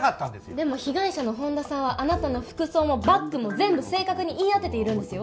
でも被害者の本田さんはあなたの服装もバッグも全部正確に言い当てているんですよ